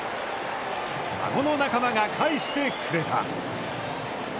孫の仲間が返してくれた。